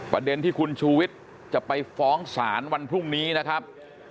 ประเด็นที่คุณชูวิทย์จะไปฟ้องศาลวันพรุ่งนี้นะครับ